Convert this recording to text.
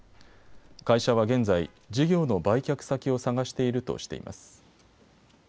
会社は現在、事業の売却先を探しているとしています。